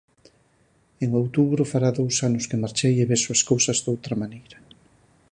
En outubro fará dous anos que marchei e vexo as cousas doutra maneira.